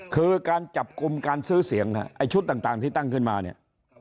คือการจับกลุ่มการซื้อเสียงฮะไอ้ชุดต่างที่ตั้งขึ้นมาเนี่ย